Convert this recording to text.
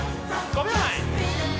５秒前。